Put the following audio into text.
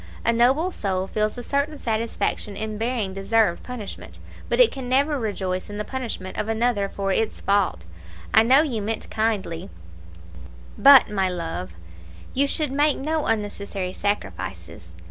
A noble soul feels a certain satisfaction in bearing deserved punishment, but it can never rejoice in the punishment of another for its fault. I know you meant kindly; but, my love, you should make no unnecessary sacrifices.